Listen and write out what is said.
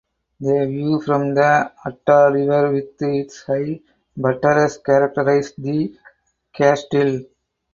The view from the Adda river with its high buttresses characterizes the castle.